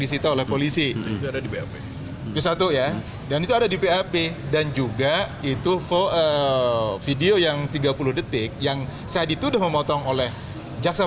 diterita oleh polisi dan juga itu video yang tiga puluh detik yang saat itu sudah memotong oleh jaksa